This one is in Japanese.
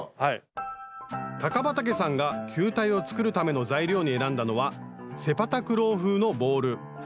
高畠さんが球体を作るための材料に選んだのはセパタクロー風のボール。